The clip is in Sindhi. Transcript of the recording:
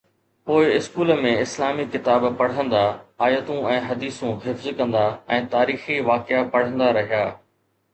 پوءِ اسڪول ۾ اسلامي ڪتاب پڙهندا، آيتون ۽ حديثون حفظ ڪندا ۽ تاريخي واقعا پڙهندا رهيا.